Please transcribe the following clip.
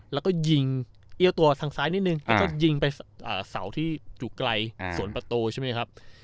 แล้วก็ยิงเอี้ยวตัวทางซ้ายนิดนึงแล้วก็ยิงไปเสาที่อยู่ไกลสวนประตูใช่ไหมครับ